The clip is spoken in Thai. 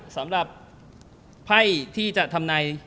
สำหรับไพ่ที่จะทำนาย